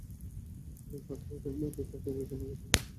এরই ফাঁকে বাড়ির পাশের বিলে গোসল করতে নেমে তারা ডুবে যায়।